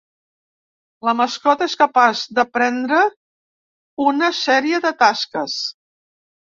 La mascota és capaç d'aprendre una sèrie de tasques.